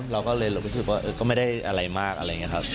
เราก็เลยรู้สึกว่าก็ไม่ได้อะไรมากอะไรอย่างนี้ครับ